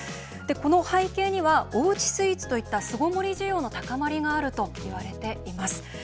この背景には、おうちスイーツといった巣ごもり需要の高まりがあるといわれています。